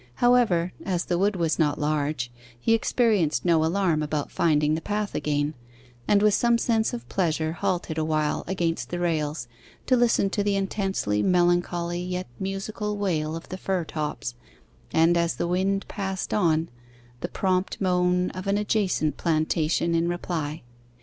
However, as the wood was not large, he experienced no alarm about finding the path again, and with some sense of pleasure halted awhile against the rails, to listen to the intensely melancholy yet musical wail of the fir tops, and as the wind passed on, the prompt moan of an adjacent plantation in reply.